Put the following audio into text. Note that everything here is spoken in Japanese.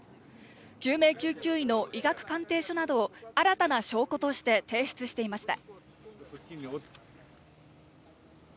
救命救急医の医学鑑定書などを新たな証拠として提出していました。